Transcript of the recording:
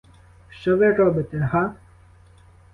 Що ви робите, га?